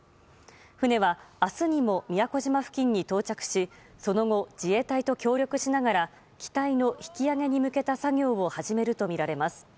船は明日にも宮古島付近に到着しその後、自衛隊と協力しながら機体の引き揚げに向けた作業を始めるとみられます。